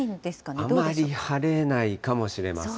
あまり晴れないかもしれません。